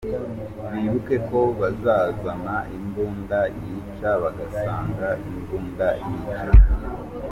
Bibuke ko bazazana imbunda yica bagasanga imbunda yica.